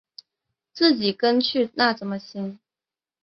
自己跟去那怎么行